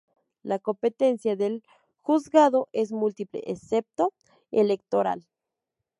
La competencia del juzgado es múltiple, excepto electoral.